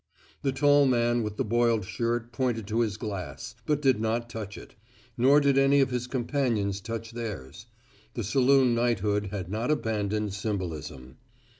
The tall man with the boiled shirt pointed to his glass, but did not touch it. Nor did any of his companions touch theirs. The saloon knighthood has not abandoned symbolism.